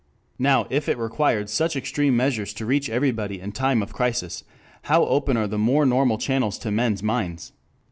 Now if it required such extreme measures to reach everybody in time of crisis, how open are the more normal channels to men's minds?